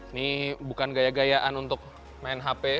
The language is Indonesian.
ini bukan gaya gayaan untuk main hp